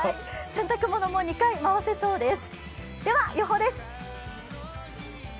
洗濯物の２回回せそうです。